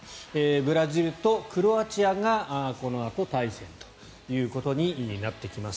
ブラジルとクロアチアがこのあと対戦ということになってきます。